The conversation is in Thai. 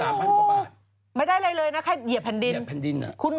ไม่ได้เลยนะแค่เหยียบแผ่นดิน